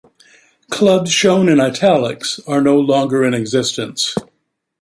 Clubs shown in "italics" are no longer in existence.